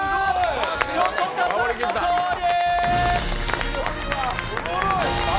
横田さんの勝利。